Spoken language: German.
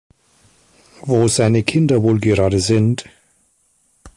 Wo seine Kinder wohl gerade sind?